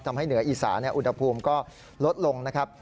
ทำให้เหนืออีสานี่อุณหภูมิก็ลดลงนะครับ